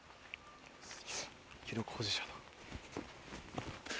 記録保持者だ。